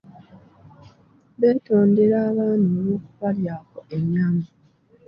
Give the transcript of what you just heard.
Beetondera abaana olw'okubalyako ennyama.